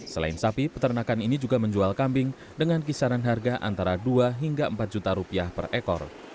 selain sapi peternakan ini juga menjual kambing dengan kisaran harga antara dua hingga empat juta rupiah per ekor